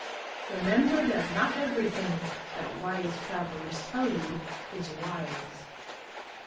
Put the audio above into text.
Remember that not everything that wise travelers tell you is wise."